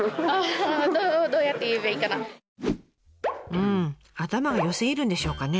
うん頭が良すぎるんでしょうかね。